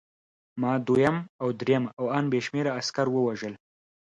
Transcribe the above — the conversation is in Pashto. ما دویم او درېیم او ان بې شمېره عسکر ووژل